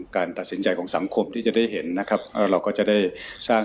การตัดสินใจของสังคมที่จะได้เห็นนะครับแล้วเราก็จะได้สร้าง